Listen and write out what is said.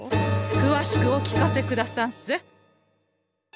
くわしくお聞かせくださんせ！